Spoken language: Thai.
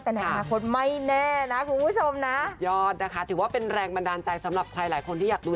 ต่างที่พี่เอเค้าบอกเนี่ย